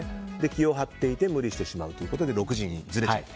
気を張って無理してしまうということで６時にずれちゃう。